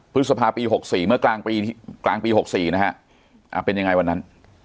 พฤษภาปีหกสี่เมื่อกลางปีกลางปีหกสี่นะฮะอ่าเป็นยังไงวันนั้น